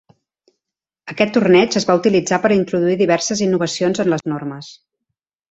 Aquest torneig es va utilitzar per introduir diverses innovacions en les normes.